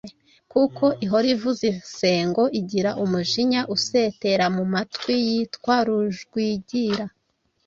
kuko ihora ivuza insengo. Igira umujinya usetera mu matwi yitwa Rujwigira.